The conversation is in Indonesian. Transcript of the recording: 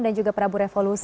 dan juga prabu revolusi